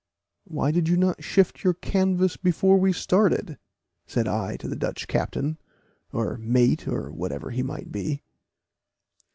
"Why did you not shift your canvas before we started?" said I to the Dutch captain, or mate, or whatever he might be.